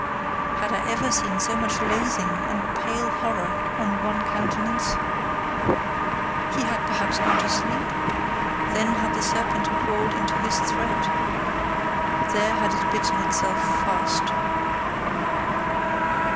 Had I ever seen so much loathing and pale horror on one countenance? He had perhaps gone to sleep? Then had the serpent crawled into his throat there had it bitten itself fast.